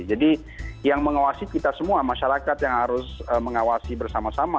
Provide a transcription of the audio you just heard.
jadi yang mengawasi kita semua masyarakat yang harus mengawasi bersama sama